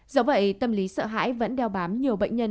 dẫu vậy tâm lý sợ hãi vẫn đeo bám nhiều bệnh nhân